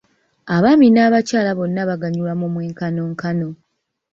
Abaami n'abakyala bonna buganyulwa mu mwenkanonkano.